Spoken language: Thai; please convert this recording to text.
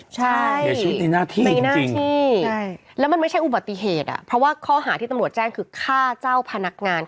ใช่ไม่มีหน้าที่แล้วมันไม่ใช่อุบัติเหตุอ่ะเพราะว่าข้อหาที่ตำรวจแจ้งคือฆ่าเจ้าพนักงาน